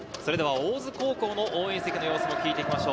大津高校の応援席の様子、聞いてみましょう。